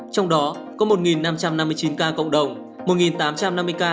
trong đó có một năm trăm năm mươi chín ca cộng đồng một tám trăm năm mươi ca